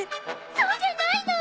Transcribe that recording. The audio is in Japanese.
そうじゃないの！